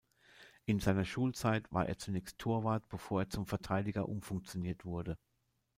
In seiner Schulzeit war er zunächst Torwart bevor er zum Verteidiger umfunktioniert wurde.